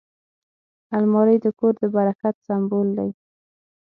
الماري د کور د برکت سمبول دی